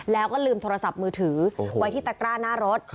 แล้วก็ลืมโทรศัพท์มือถือไว้ที่ตะกร้าหน้ารถ